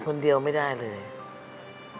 คนเดียวไม่ได้เลย